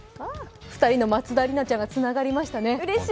２人の松田里奈ちゃんがつながりましたね。